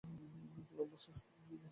লম্বা শ্বাস নাও।